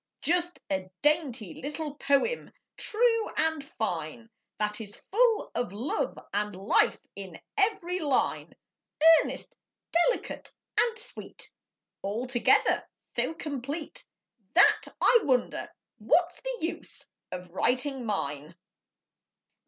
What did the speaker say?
Just a dainty little poem, true and fine, That is full of love and life in every line, Earnest, delicate, and sweet, Altogether so complete That I wonder what's the use of writing mine.